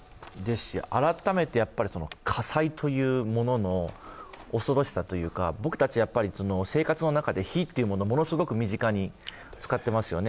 改めてやっぱり火災というものの恐ろしさ、僕たち、生活の中で、火というものをものすごく身近に使っていますよね。